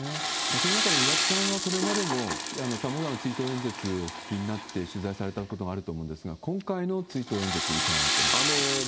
そういう中で岩田さんは、これまでのさまざま追悼演説をお聞きになって取材されたことがあると思うんですが、今回の追悼演説、いかがだったでしょうか？